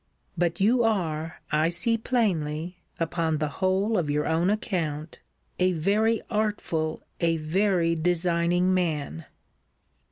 But you are, I see plainly, (upon the whole of your own account,) a very artful, a very designing man.